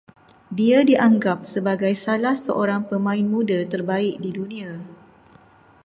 Dia dianggap sebagai salah seorang pemain muda terbaik di dunia